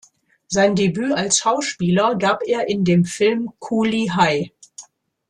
Sein Debüt als Schauspieler gab er in dem Film "Cooley High".